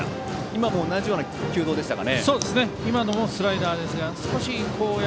今も同じような軌道でしたか。